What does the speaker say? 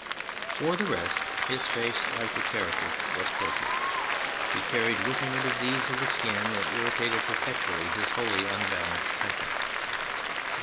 For the rest, his face, like his character, was tortured; he carried with him a disease of the skin that irritated perpetually his wholly unbalanced temper.